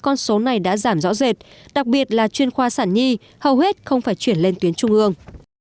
con số này đã giảm rõ rệt đặc biệt là chuyên khoa sản nhi hầu hết không phải chuyển lên tuyến trung ương